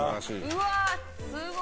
うわすごい！